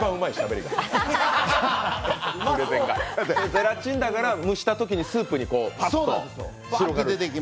ゼラチンだから蒸したときにスープにパッと広がる。